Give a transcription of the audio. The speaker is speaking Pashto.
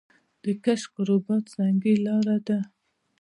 د کشک رباط سنګي لاره ده